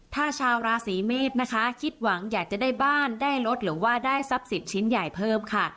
ถ้าชาวราศีเมษนะคะคิดหวังอยากจะได้บ้านได้รถหรือว่าได้ทรัพย์สินชิ้นใหญ่เพิ่มค่ะ